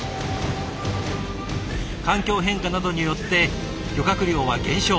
環境変化などによって漁獲量は減少。